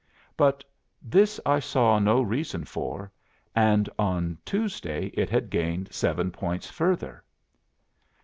'" "But this I saw no reason for; and on Tuesday it had gained seven points further.